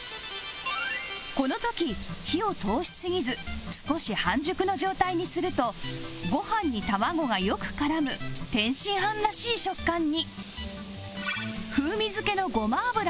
この時火を通しすぎず少し半熟の状態にするとご飯に卵がよく絡む天津飯らしい食感に